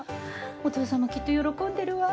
お父さんもきっと喜んでるわ。